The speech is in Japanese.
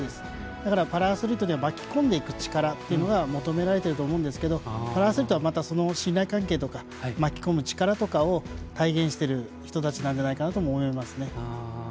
だから、パラアスリートには巻き込んでいく力というのが求められていると思うんですけどパラアスリートは信頼関係とか巻き込む力とかを体現してる人たちなんだとも思いますね。